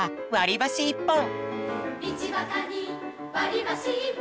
「わりばしいっぽん」